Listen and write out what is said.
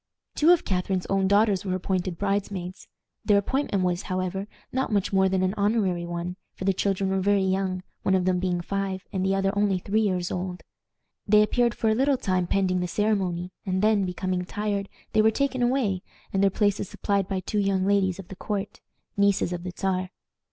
Two of Catharine's own daughters were appointed bridesmaids. Their appointment was, however, not much more than an honorary one, for the children were very young, one of them being five and the other only three years old. They appeared for a little time pending the ceremony, and then, becoming tired, they were taken away, and their places supplied by two young ladies of the court, nieces of the Czar.